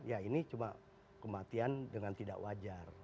ya ini cuma kematian dengan tidak wajar